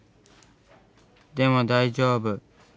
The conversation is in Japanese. でも大丈夫。